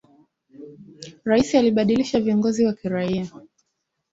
Rais alibadilisha viongozi wa kiraia